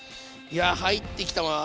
いや入ってきたわ。